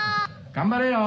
頑張れよ！